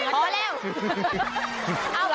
พอแล้ว